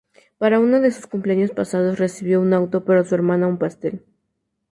Para uno de sus cumpleaños pasados, recibió un auto, pero su hermana un pastel.